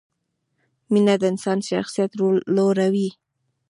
مینه د انسان شخصیت لوړوي.